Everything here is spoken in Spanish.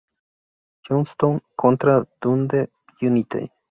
Johnstone contra Dundee United.